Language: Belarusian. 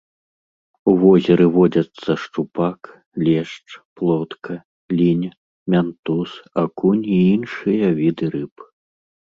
У возеры водзяцца шчупак, лешч, плотка, лінь, мянтуз, акунь і іншыя віды рыб.